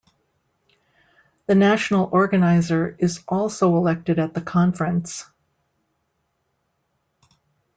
The National Organiser is also elected at the conference.